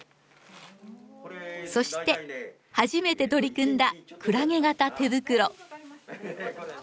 そして初めて取り組んだクラゲ形手袋。